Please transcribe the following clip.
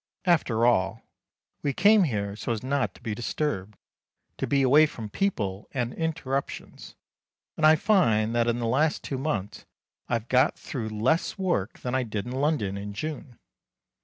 After all, we came here so as not to be disturbed to be away from people and interruptions; and I find that in the last two months I have got through less work than I did in London in June.